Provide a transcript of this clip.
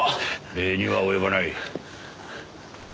礼には及ばない。